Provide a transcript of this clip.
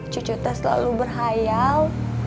cucu itu selalu berhayal